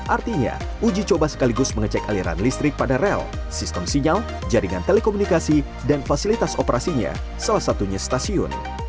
artinya uji coba sekaligus mengecek aliran listrik pada rel sistem sinyal jaringan telekomunikasi dan fasilitas operasinya salah satunya stasiun